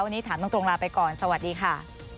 วันนี้ถามตรงลาไปก่อนสวัสดีค่ะ